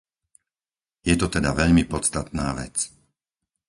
Je to teda veľmi podstatná vec.